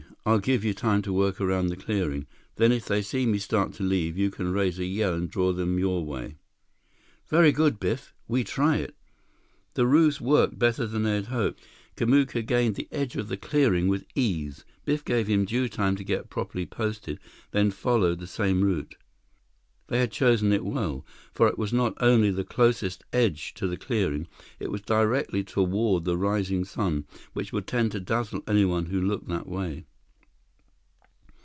I'll give you time to work around the clearing. Then if they see me start to leave, you can raise a yell and draw them your way." "Very good, Biff. We try it." The ruse worked better than they had hoped. Kamuka gained the edge of the clearing with ease. Biff gave him due time to get properly posted, then followed the same route. They had chosen it well, for it was not only the closest edge of the clearing; it was directly toward the rising sun, which would tend to dazzle anyone who looked that way.